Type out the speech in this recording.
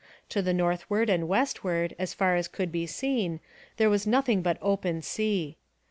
To the northward and westward, as far as could be seen, there was nothing but open sea.